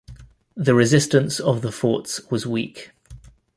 The resistance of the forts was weak.